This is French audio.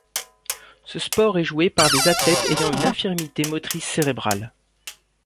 Ce sport est joué par des athlètes ayant une infirmité motrice cérébrale.